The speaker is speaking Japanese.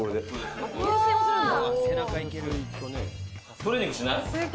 トレーニングしない？